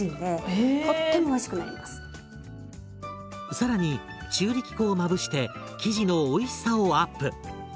更に中力粉をまぶして生地のおいしさをアップ。